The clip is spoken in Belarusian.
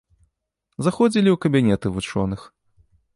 Заходзілі і ў кабінеты вучоных.